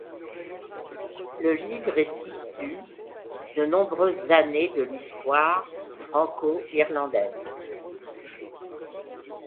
Le livre est issue de nombreuses années de l'histoire franco-irlandaise.